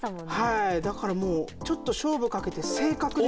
はいだからもうちょっと勝負かけて。